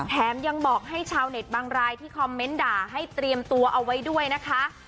แถมยังบอกให้ชาวเน็ตบางรายที่คอมเมนต์ด่าให้เตรียมตัวเอาไว้ด้วยนะคะ